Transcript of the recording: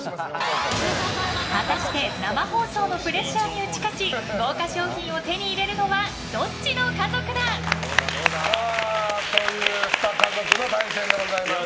果たして生放送のプレッシャーに打ち勝ち豪華賞品を手に入れるのはどっちの家族だ？という２家族の対戦です。